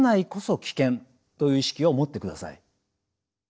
という意識を持ってください。